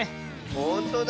ほんとだ。